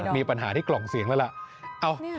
มีปัญหาที่กล่องเสียงแล้วล่ะ